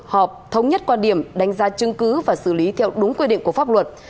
họp thống nhất quan điểm đánh giá chứng cứ và xử lý theo đúng quy định của pháp luật